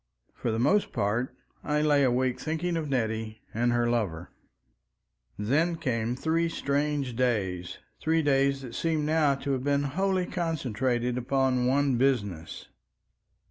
For the most part I lay awake thinking of Nettie and her lover. Then came three strange days—three days that seem now to have been wholly concentrated upon one business.